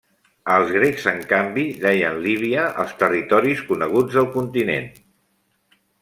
Els grecs en canvi deien Líbia als territoris coneguts del continent.